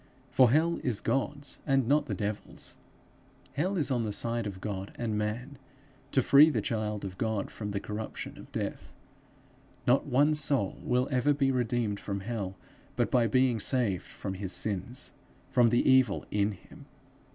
For hell is God's and not the devil's. Hell is on the side of God and man, to free the child of God from the corruption of death. Not one soul will ever be redeemed from hell but by being saved from his sins, from the evil in him.